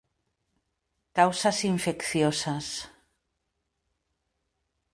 Causas infecciosas.